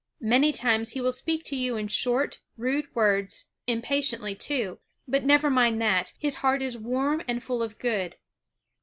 Many times he will speak to you in short, rude words, impatiently too, but never mind that, his heart is warm and full of good.